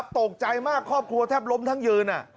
ตกใจมากข้อควบค์คูยว่าแทบล้มทั้งยืน